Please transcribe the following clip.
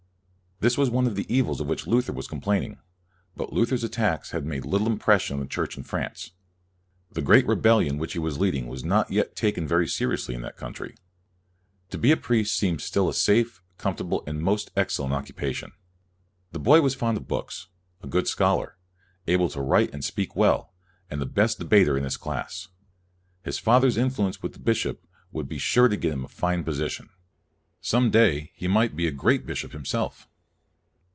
This was one of the evils of which Luther was complaining. But Luther's attacks had made little impression on the Church in France. The great rebellion which he was leading was not yet taken very seriously in that country. To be a priest seemed still a safe, comfortable, and most excellent occupation. The boy was fond of books, a good scholar, able to write and speak well, and the best debater in his class. His father's influ ence with the bishop would be sure to get him a fine position. Some day he might be a great bishop himself.